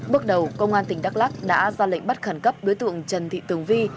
bước đầu công an tỉnh đắk lắc đã ra lệnh bắt khẩn cấp đối tượng trần thị tường vi